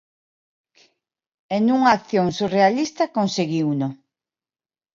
E nunha acción surrealista, conseguiuno.